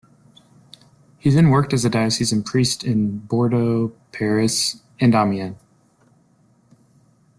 He then worked as a diocesan priest in Bordeaux, Paris and Amiens.